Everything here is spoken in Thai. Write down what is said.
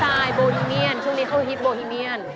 ใช่โบฮิเมียนช่วงนี้เขาฮิตโบฮิเมียน